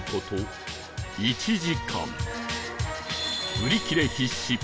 売り切れ必至